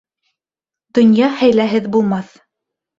Донъя хәйләһеҙ булмаҫ